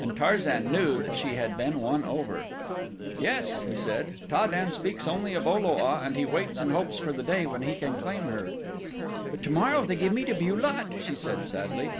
and Tarzan knew that she had been won over. "Yes," he said, "Ta den speaks only of O lo a and he waits and hopes for the day when he can claim her." "But tomorrow they give me to Bu lot," she said sadly.